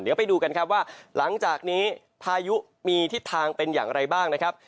เดี๋ยวไปดูกันครับว่าหลังจากนี้พายุมีทิศทางเป็นอย่างไรบ้างนะครับ